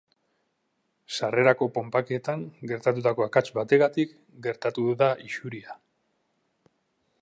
Sarrerako ponpaketan gertatutako akats batengatik gertatu da isuria.